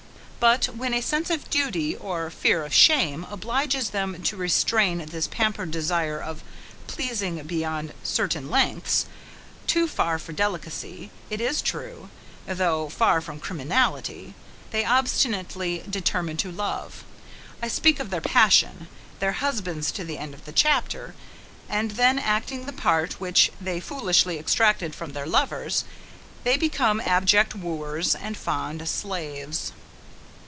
But, when a sense of duty, or fear of shame, obliges them to restrain this pampered desire of pleasing beyond certain lengths, too far for delicacy, it is true, though far from criminality, they obstinately determine to love, I speak of their passion, their husbands to the end of the chapter and then acting the part which they foolishly exacted from their lovers, they become abject wooers, and fond slaves.